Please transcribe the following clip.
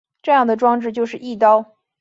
这样的装置就是翼刀。